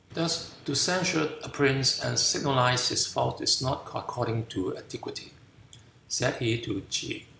"Thus to censure a prince and signalize his faults is not according to etiquette," said he to Ke.